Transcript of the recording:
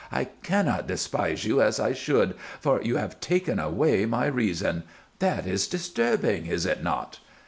I cannot despise you as I should, for you have taken away my reason. That is disturbing, is it not?